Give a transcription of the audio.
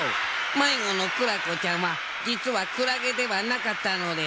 まいごのクラコちゃんはじつはクラゲではなかったのです。